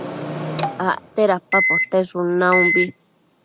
acte dada poteshun naumbi